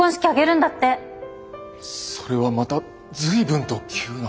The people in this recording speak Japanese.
それはまた随分と急な。